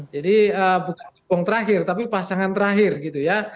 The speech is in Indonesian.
jadi bukan jepong terakhir tapi pasangan terakhir gitu ya